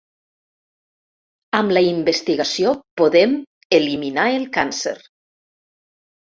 Amb la investigació podem eliminar el càncer.